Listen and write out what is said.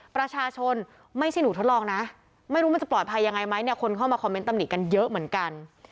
ประชาชนไม่ใช่หนูทดลองนะไม่รู้มันจะปลอดภัยยังไงไหมเนี่ยคนเข้ามาคอมเมนตกันเยอะเหมือนกัน